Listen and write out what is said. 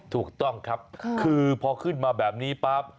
ถูกต้องครับคือพอขึ้นมาแบบนี้ปั๊บ